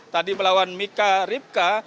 tadi melawan mika ripka